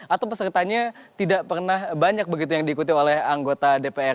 atau pesertanya tidak pernah banyak begitu yang diikuti oleh anggota dpr